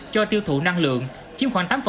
cho tiêu thụ năng lượng chiếm khoảng tám